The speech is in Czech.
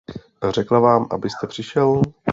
Řekla vám, abyste přišel?